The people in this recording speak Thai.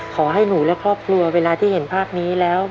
ขอให้หนูและครอบครัวเวลาที่เห็นภาพนี้แล้ว